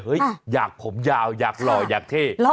อยากผมยาวอยากหล่ออยากเท่